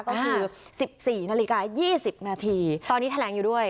ก็คือสิบสี่นาฬิกายี่สิบนาทีตอนนี้แถลงอยู่ด้วย